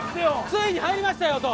「ついに入りましたよ」と！